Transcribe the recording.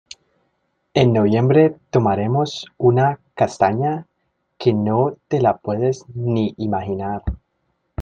En noviembre tomaremos una castaña que no te la puedes ni imaginar.